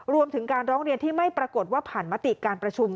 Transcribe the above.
รวมถึงการร้องเรียนที่ไม่ปรากฏว่าผ่านมติการประชุม